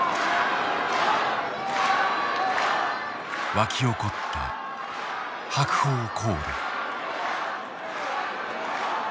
沸き起こった白鵬コール。